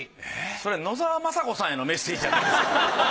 それ野沢雅子さんへのメッセージじゃないですか？